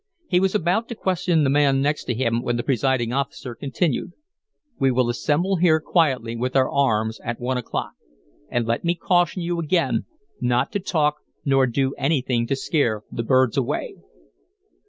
He was about to question the man next to him when the presiding officer continued: "We will assemble here quietly with our arms at one o'clock. And let me caution you again not to talk or do anything to scare the birds away."